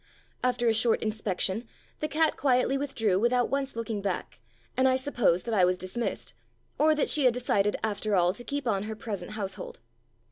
After a short inspection, the cat quietly withdrew without once looking back, and I supposed that I was dismissed, or that she had decided, after all, to keep on her present household.